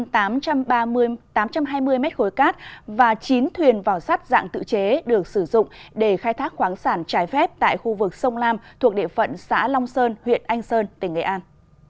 hạt kiểm lâm đã tạm giữ hơn tám trăm hai mươi mét khối cát và chín thuyền vỏ sắt dạng tự chế được sử dụng để khai thác khoáng sản trái phép tại khu vực sông lam thuộc địa phận xã long sơn huyện anh sơn tỉnh nghệ an